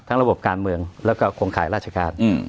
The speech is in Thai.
ระบบการเมืองแล้วก็โครงข่ายราชการ